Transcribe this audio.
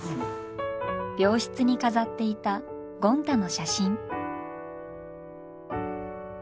病室に飾っていたゴン太の写真。